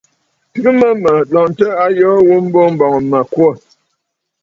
Tɨgə mə mə̀ lɔntə ayoo ghu mbo, m̀bɔŋ mə̀ kwô.